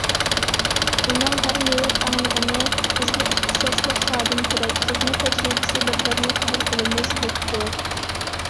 ئۇنىڭ ھەر نۆۋەت ئاڭلىغىنى« بىزگە ئىختىساسلىق خادىم كېرەك، خىزمەت تەجرىبىسى بارلارنى قوبۇل قىلىمىز» بوپتۇ.